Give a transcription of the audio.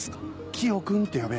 「キヨ君」って呼べ。